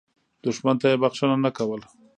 دښمن ته یې بخښنه نه کول.